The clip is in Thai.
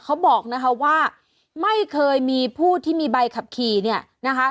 เขาบอกนะคะว่าไม่เคยมีผู้ที่มีใบขับขี่เนี่ยนะคะ